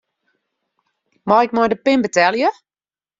Mei ik mei de pin betelje?